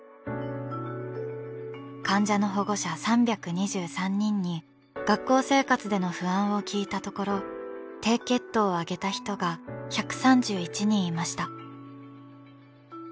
患者の保護者３２３人に学校生活での不安を聞いたところ低血糖を挙げた人が１３１人いました。